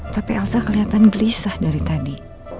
tapi elsa kelihatan gelisah dari tadi